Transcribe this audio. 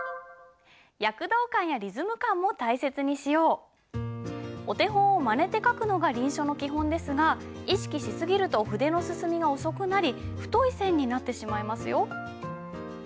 ここでお手本をまねて書くのが臨書の基本ですが意識し過ぎると筆の進みが遅くなり太い線になってしまいますよ。